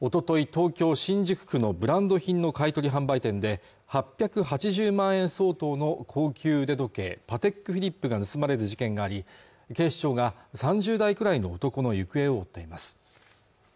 東京新宿区のブランド品の買い取り販売店で８８０万円相当の高級腕時計パテックフィリップが盗まれる事件があり警視庁が３０代くらいの男の行方を追っています